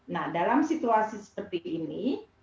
nah dalam situasi seperti ini